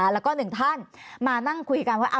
แล้วก็หนึ่งท่านมานั่งคุยกันว่า